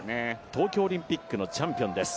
東京オリンピックのチャンピオンです。